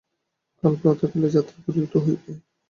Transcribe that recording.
কাল প্রাতঃকালে যাত্রা করিলেই তো হইবে।